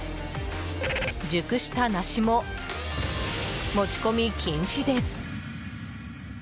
熟したナシも持ち込み禁止です。